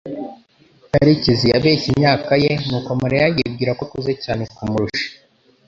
Karekeziyabeshye imyaka ye, nuko Mariya yibwira ko akuze cyane kumurusha.